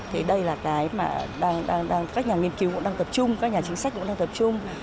thì đây là cái mà các nhà nghiên cứu cũng đang tập trung các nhà chính sách cũng đang tập trung